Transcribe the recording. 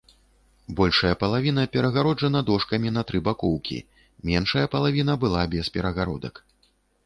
Большая палавіна перагароджана дошкамі на тры бакоўкі, меншая палавіна была без перагародак.